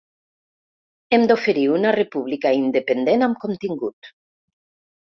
Hem d’oferir una república independent amb contingut.